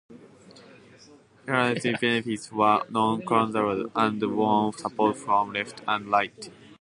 Veterans benefits were non-controversial, and won support from left and right.